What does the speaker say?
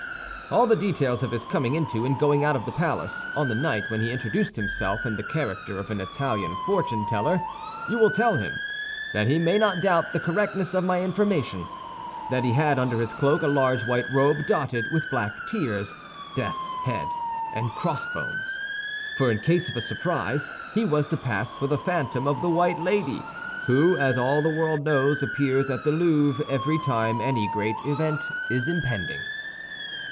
"All the details of his coming into and going out of the palace—on the night when he introduced himself in the character of an Italian fortune teller—you will tell him, that he may not doubt the correctness of my information; that he had under his cloak a large white robe dotted with black tears, death's heads, and crossbones—for in case of a surprise, he was to pass for the phantom of the White Lady who, as all the world knows, appears at the Louvre every time any great event is impending."